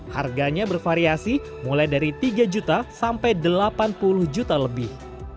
harganya bervariasi mulai dari tiga juta sampai delapan puluh juta lebih